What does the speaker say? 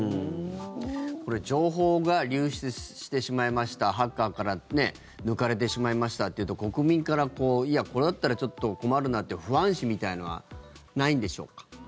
これ情報が流出してしまいましたハッカーから抜かれてしまいましたっていうと国民から、いやこれだったらちょっと困るなっていう不安視みたいのはないんでしょうか。